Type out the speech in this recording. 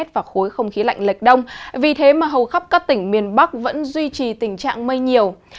và khối không khí lạnh lệch đông vì thế mà hầu khắp các tỉnh miền bắc vẫn duy trì tình trạng mây nhiều